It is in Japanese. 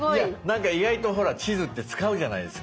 なんか意外とほら地図って使うじゃないですか。